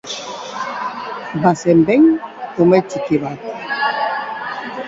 Bazen behin ume txiki bat.